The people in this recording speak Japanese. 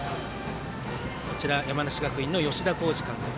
山梨学院の吉田洸二監督。